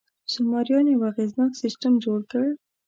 سومریان یو اغېزناک سیستم جوړ کړ.